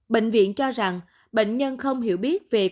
bệnh viện cho rằng bệnh nhân không hiểu biết về quy trình